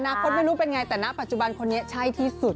คตไม่รู้เป็นไงแต่ณปัจจุบันคนนี้ใช่ที่สุด